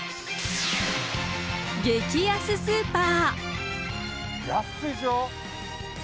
激安スーパー。